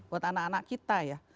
buat anak anak kita ya